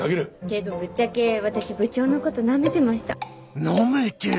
けどぶっちゃけ私部長のことなめてました。